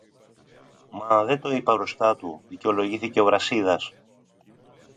Μα δεν το είπα μπροστά του, δικαιολογήθηκε ο Βρασίδας.